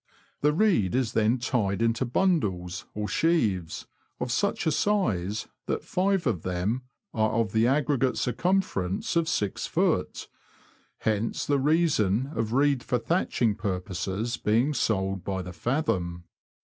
The reed is then tied into bundles, or sheaves, of such a size that five of them are of the aggregate circumference of 6ft. ; hence the reason of reed for thatching purposes being sold by the fathom.